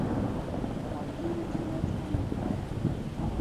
Malgeri kirmec' oniu dai e?